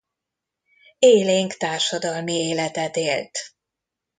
Élénk társadalmi életet élt.